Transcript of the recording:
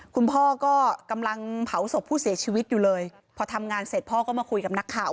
คุณพ่อก็กำลังเผาศพผู้เสียชีวิตอยู่เลยพอทำงานเสร็จพ่อก็มาคุยกับนักข่าว